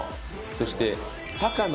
そして。